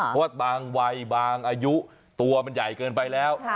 เพราะว่าบางวัยบางอายุตัวมันใหญ่เกินไปแล้ว